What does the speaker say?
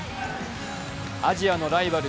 アジアのライバル